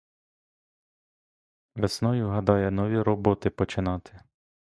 Весною гадає нові роботи починати.